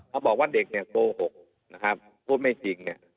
เขาบอกว่าเด็กเนี่ยโกหกนะครับพูดไม่จริงเนี่ย